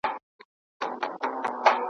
لاعجبه بې انصافه انسانان دي .